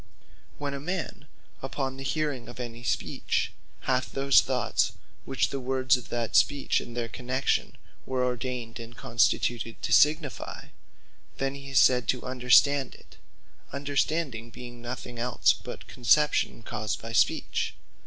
Understanding When a man upon the hearing of any Speech, hath those thoughts which the words of that Speech, and their connexion, were ordained and constituted to signifie; Then he is said to understand it; Understanding being nothing els, but conception caused by Speech.